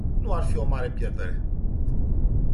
Nu ar fi o mare pierdere.